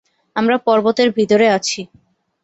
আমরা পর্বতের ভেতরে আছি।